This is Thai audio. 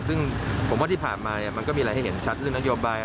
ซึ่งผมว่าที่ผ่านมามันก็มีอะไรให้เห็นชัดเรื่องนโยบาย